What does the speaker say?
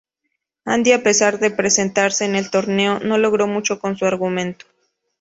Andy, a pesar de presentarse en el torneo, no logró mucho con su argumento.